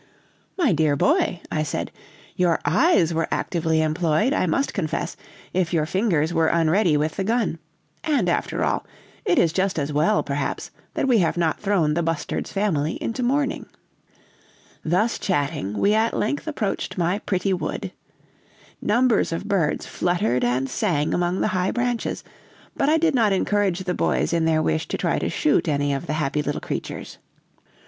"'My dear boy!' I said, 'your eyes were actively employed, I must confess, if your fingers were unready with the gun. And after all, it is just as well, perhaps, that we have not thrown the bustard's family into mourning.' "Thus chatting, we at length approached my pretty wood. Numbers of birds fluttered and sang among the high branches, but I did not encourage the boys in their wish to try to shoot any of the happy little creatures.